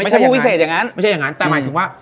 ไม่ใช่ผู้พิเศษอย่างนั้นแต่หมายถึงว่า